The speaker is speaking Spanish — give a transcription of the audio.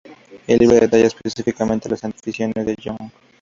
El libro detalla específicamente las aficiones de Young.